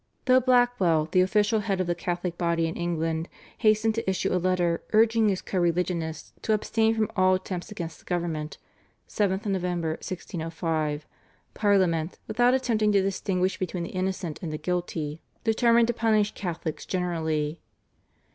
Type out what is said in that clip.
Though Blackwell, the official head of the Catholic body in England, hastened to issue a letter urging his co religionists to abstain from all attempts against the government (7th Nov. 1605), Parliament, without attempting to distinguish between the innocent and the guilty, determined to punish Catholics generally.